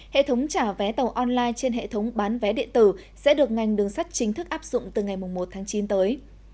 hệ thống trả vé tàu online trên hệ thống bán vé điện tử sẽ được ngành đường sắt chính thức áp dụng từ ngày một tháng chín tới